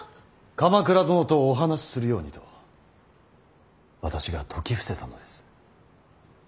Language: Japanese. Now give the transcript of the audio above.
鎌倉殿とお話しするようにと私が説き伏せたのです。